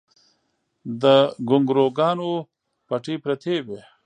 د ګونګروګانو پټۍ پرتې وې